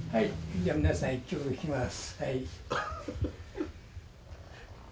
じゃあ皆さん一曲弾きます。